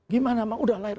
gimana ma sudah lahir